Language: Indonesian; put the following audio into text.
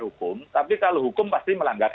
hukum tapi kalau hukum pasti melanggar